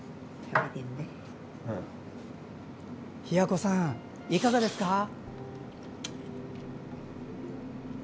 ひや子さんいかがですか。